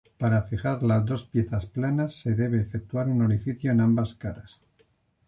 Para fijar las dos piezas planas se debe efectuar un orificio en ambas caras.